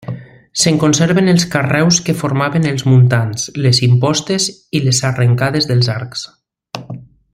Se'n conserven els carreus que formaven els muntants, les impostes i les arrencades dels arcs.